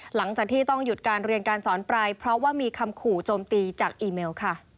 หลังจากที่ต้องหยุดการเรียนการสอนไปเพราะว่ามีคำขู่โจมตีจากอีเมลค่ะ